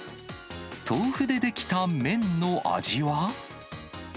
豆腐で出来た麺の味は。